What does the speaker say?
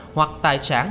hoặc tài sản